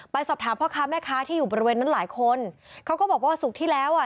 สอบถามพ่อค้าแม่ค้าที่อยู่บริเวณนั้นหลายคนเขาก็บอกว่าศุกร์ที่แล้วอ่ะ